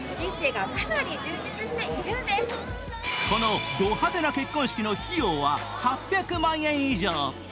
このド派手な結婚式の費用は８００万円以上。